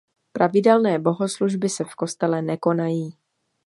Pravidelné bohoslužby se v kostele nekonají.